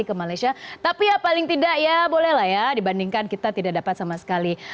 jadi ke malaysia tapi ya paling tidak ya bolehlah ya dibandingkan kita tidak dapat sama sekali